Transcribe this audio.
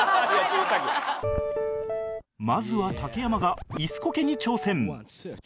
まずは竹山が椅子コケに挑戦